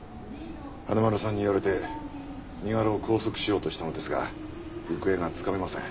花村さんに言われて身柄を拘束しようとしたのですが行方がつかめません。